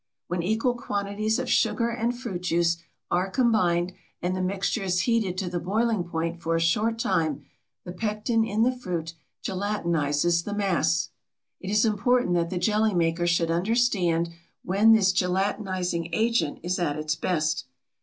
When equal quantities of sugar and fruit juice are combined and the mixture is heated to the boiling point for a short time, the pectin in the fruit gelatinizes the mass. It is important that the jelly maker should understand when this gelatinizing agent is at its best.